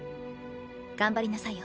頑張りなさいよ。